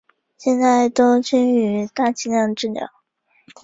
现在都倾向于大剂量治疗。